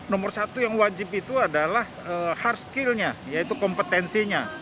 nomor satu yang wajib itu adalah hard skill nya yaitu kompetensinya